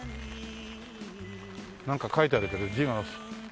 なんか書いてあるけど字がなんだ？